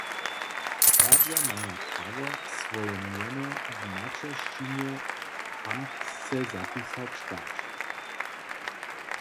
Serbja maja prawo, swoje mjeno w maćeršćinje hamtsce zapisać dać.